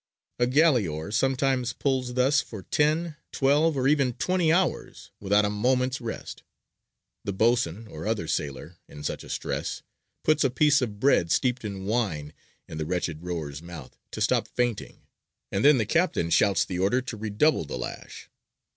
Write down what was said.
A galley oar sometimes pulls thus for ten, twelve, or even twenty hours without a moment's rest. The boatswain, or other sailor, in such a stress, puts a piece of bread steeped in wine in the wretched rower's mouth to stop fainting, and then the captain shouts the order to redouble the lash.